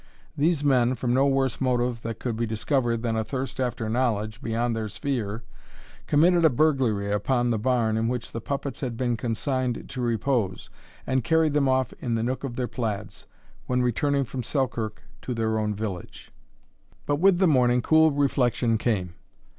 These men, from no worse motive that could be discovered than a thirst after knowledge beyond their sphere, committed a burglary upon the barn in which the puppets had been consigned to repose, and carried them off in the nook of their plaids, when returning from Selkirk to their own village. "But with the morning cool reflection came."